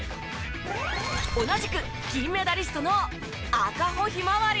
同じく銀メダリストの。